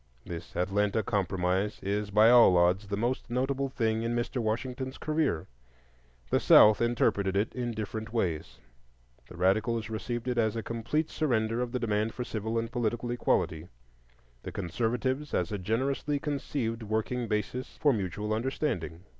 This "Atlanta Compromise" is by all odds the most notable thing in Mr. Washington's career. The South interpreted it in different ways: the radicals received it as a complete surrender of the demand for civil and political equality; the conservatives, as a generously conceived working basis for mutual understanding.